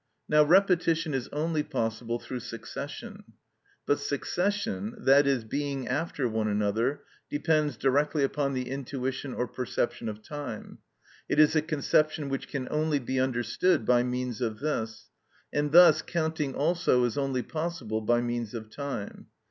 Now repetition is only possible through succession. But succession, that is, being after one another, depends directly upon the intuition or perception of time. It is a conception which can only be understood by means of this; and thus counting also is only possible by means of time.